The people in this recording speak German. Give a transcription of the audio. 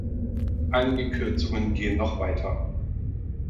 Einige Kürzungen gehen noch weiter.